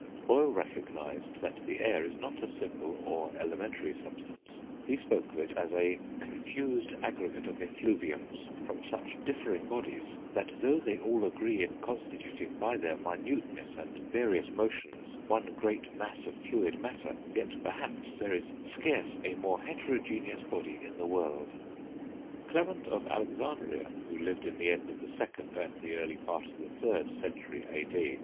Boyle recognised that the air is not a simple or elementary substance; he spoke of it as "a confused aggregate of effluviums from such differing bodies, that, though they all agree in constituting by their minuteness and various motions one great mass of fluid matter, yet perhaps there is scarce a more heterogeneous body in the world." Clement of Alexandria who lived in the end of the 2nd, and the early part of the 3rd, century A.D.